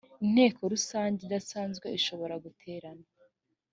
inteko rusange idasanzwe ishobora guterana